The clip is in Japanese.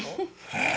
へえ。